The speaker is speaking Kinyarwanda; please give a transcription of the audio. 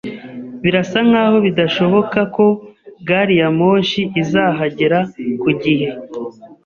Birasa nkaho bidashoboka ko gari ya moshi izahagera ku gihe.